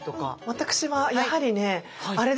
私はやはりねあれですね